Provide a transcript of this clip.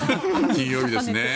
金曜日ですね。